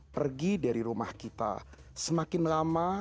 pergi dari rumah kita